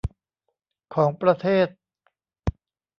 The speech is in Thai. ของประเทศ